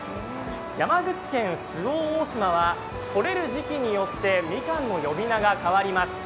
山口県周防大島はとれる時期によってみかんの呼び名が変わります。